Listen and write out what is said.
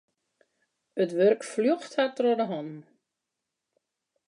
It wurk fljocht har troch de hannen.